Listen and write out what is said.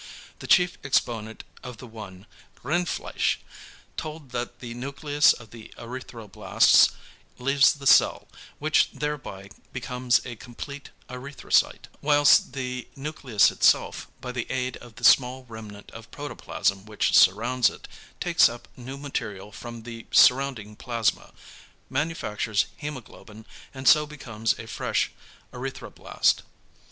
The chief exponent of the one, Rindfleisch, taught that the nucleus of the erythroblasts leaves the cell, which thereby becomes a complete erythrocyte, whilst the nucleus itself, by the aid of the small remnant of protoplasm which surrounds it, takes up new material from the surrounding plasma, manufactures hæmoglobin and so becomes a fresh erythroblast.